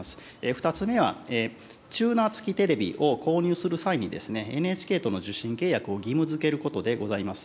２つ目は、チューナー付きテレビを購入する際に、ＮＨＫとの受信契約を義務づけることでございます。